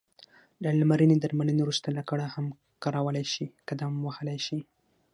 له لمرینې درملنې وروسته لکړه هم کارولای شې، قدم وهلای شې.